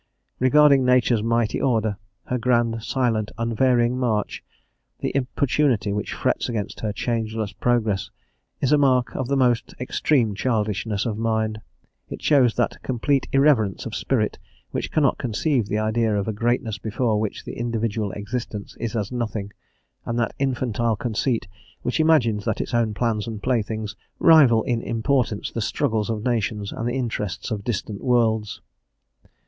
Regarding Nature's mighty order, her grand, silent, unvarying march, the importunity which frets against her changeless progress is a mark of the most extreme childishness of mind; it shows that complete irreverence of spirit which cannot conceive the idea of a greatness before which the individual existence is as nothing, and that infantile conceit which imagines that its own plans and playthings rival in importance the struggles of nations and the interests of distant worlds.